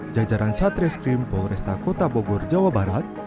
jajaran satreskrim polresta kota bogor jawa barat